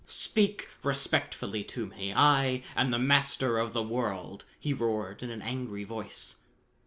"Speak respectfully to me; I am the Master of the World!" he roared in an angry voice.